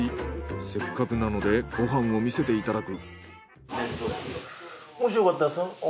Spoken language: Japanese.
せっかくなのでご飯を見せていただく。